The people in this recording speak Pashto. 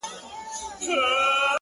زه د یویشتم قرن ښکلا ته مخامخ یم;